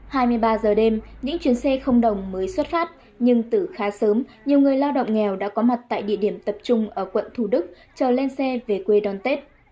hai mươi ba giờ đêm những chuyến xe không đồng mới xuất phát nhưng từ khá sớm nhiều người lao động nghèo đã có mặt tại địa điểm tập trung ở quận thủ đức chờ lên xe về quê đón tết